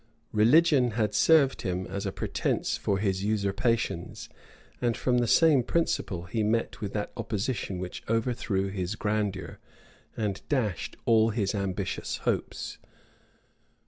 [] Religion had served him as a pretence for his usurpations; and from the same principle he met with that opposition which overthrew his grandeur, and dashed all his ambitious hopes.